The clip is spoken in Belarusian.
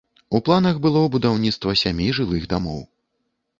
У планах было будаўніцтва сямі жылых дамоў.